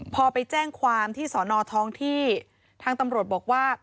พอไปแจ้งความที่สอนอท้องที่ทางตำรวจบอกว่า